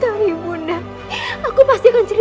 jangan lagi membuat onar di sini